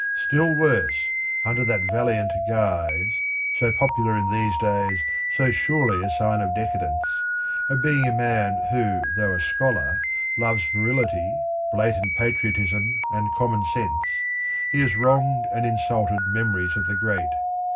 Still worse, under that valiant guise so popular in these days, so surely a sign of decadence of being a man who, though a scholar, loves virility, blatant patriotism, and common sense, he has wronged and insulted the memories of the great.